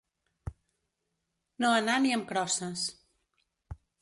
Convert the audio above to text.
No anar ni amb crosses.